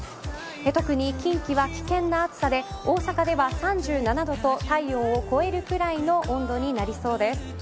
特に近畿は危険な暑さで大阪では３７度と体温を超えるくらいの温度になりそうです。